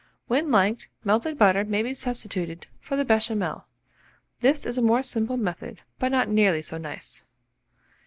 When liked, melted butter may be substituted for the Béchamel: this is a more simple method, but not nearly so nice.